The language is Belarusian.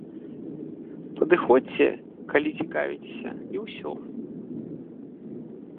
Падыходзьце, калі цікавіцеся, і ўсё.